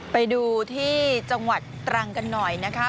ไปดูที่จังหวัดตรังกันหน่อยนะคะ